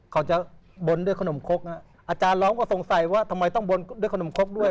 เขาจะบนด้วยขนมคกอาจารย์ร้องก็สงสัยว่าทำไมต้องบนด้วยขนมครกด้วย